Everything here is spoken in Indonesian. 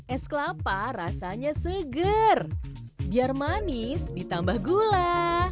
es kelapa rasanya seger biar manis ditambah gula